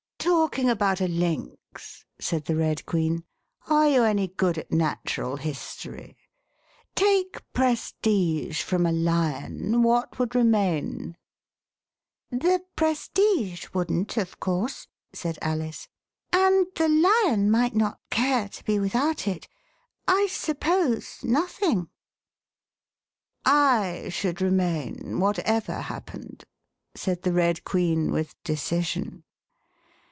Talking about a Lynx," said the Red Queen, are you any good at Natural History.'^ Take pres tige from a Lion, what would remain ?" The prestige wouldn't, of course," said Alice, 29 The Westminster Alice " and the Lion might not care to be without it. ! suppose nothing ""/ should remain, whatever happened," said the Red Queen, with decision.